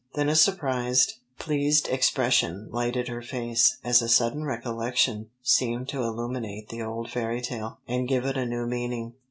Then a surprised, pleased expression lighted her face, as a sudden recollection seemed to illuminate the old fairy tale, and give it a new meaning.